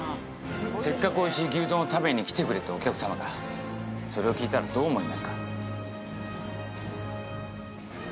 せっかくおいしい牛丼を食べに来てくれたお客さまがそれを聞いたらどう思いますか？